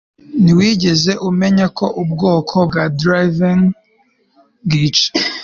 ntiwigeze umenya ko ubwoko bwa drivin bwica